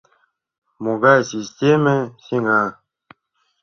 Могай системе сеҥа?